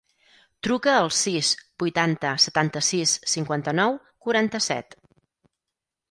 Truca al sis, vuitanta, setanta-sis, cinquanta-nou, quaranta-set.